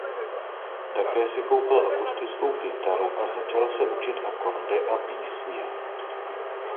Také si koupil akustickou kytaru a začal se učit akordy a písně.